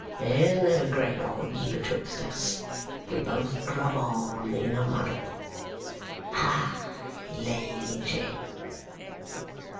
There's no great odds betwixt us. We both grub on in a muddle. Hi, Lady Jane!"